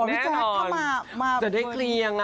ได้หรอพี่เจ๊ถ้ามาเดี๋ยวได้เคลียงนะ